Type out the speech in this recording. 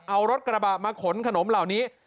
เอารถกระบะมาขนขนมเหล่านี้